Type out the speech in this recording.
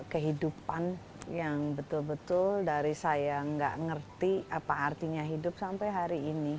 kehidupan yang betul betul dari saya nggak ngerti apa artinya hidup sampai hari ini